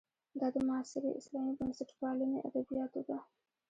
دا د معاصرې اسلامي بنسټپالنې ادبیاتو ده.